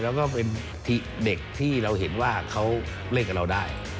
แล้วก็เป็นเด็กที่เราเห็นว่าเขาเล่นกับเราได้